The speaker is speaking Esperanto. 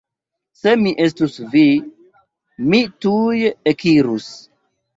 Se mi estus vi, mi tuj ekirus.